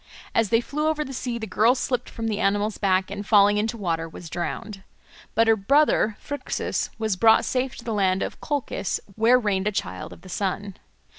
As they flew over the sea, the girl slipped from the animal's back, and falling into water was drowned. But her brother Phrixus was brought safe to the land of Colchis, where reigned a child of the sun.